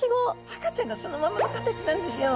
赤ちゃんがそのままの形なんですよ。